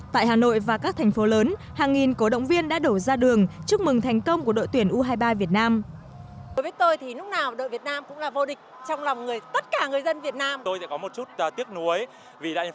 tại hà nội và các thành phố lớn hàng nghìn cổ động viên đã đổ ra đường chúc mừng thành công của đội tuyển u hai mươi ba việt nam